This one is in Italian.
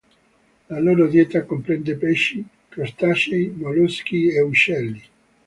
La loro dieta comprende pesci, crostacei, molluschi e uccelli.